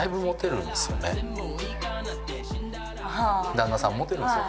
旦那さんモテるんですよ